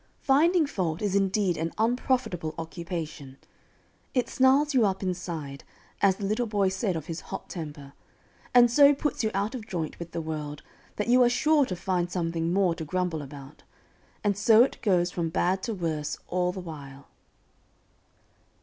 Finding fault is indeed an unprofitable occupation. It "snarls you up inside," as the little boy said of his hot temper, and so puts you out of joint with the world that you are sure to find something more to grumble about, and so it goes from bad to worse all the while.